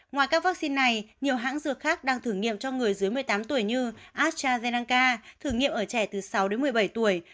ngoài các vaccine này nhiều hãng dược khác đang thử nghiệm cho người dưới một mươi tám tuổi như astrazeneca thử nghiệm ở trẻ từ sáu đến một mươi bảy tuổi